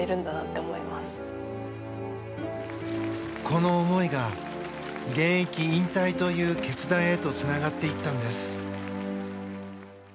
この思いが現役引退という決断へとつながっていったんです。